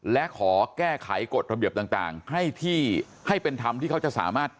และขอแก้ไขกฎระเบียบต่างให้ที่ให้เป็นธรรมที่เขาจะสามารถ